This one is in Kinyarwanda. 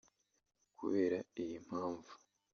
Kubera iyi mpamvu